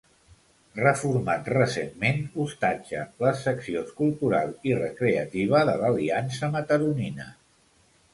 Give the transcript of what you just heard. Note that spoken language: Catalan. Reformat recentment, hostatja les seccions cultural i recreativa de l'Aliança Mataronina.